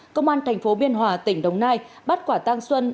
công an thành phố biên hòa tỉnh đồng nai bắt quả tăng xuân